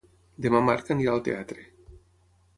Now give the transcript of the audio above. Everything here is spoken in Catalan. Demà en Marc anirà al teatre.